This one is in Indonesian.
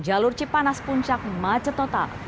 jalur cipanas puncak macet total